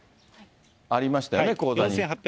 ありましたよね、口座に。